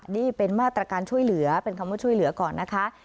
นี่เป็นมาตรการช่วยเหลือเป็นคำว่าช่วยเหลือก่อนนะคะ